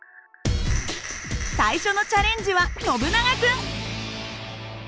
最初のチャレンジはノブナガ君。